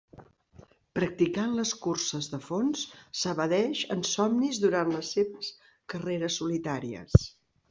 Practicant les curses de fons, s'evadeix en somnis durant les seves carreres solitàries.